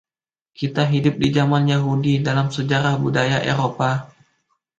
Kita hidup di zaman Yahudi dalam sejarah budaya Eropa.